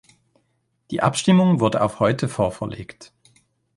Die Abstimmung wurde auf heute vorverlegt.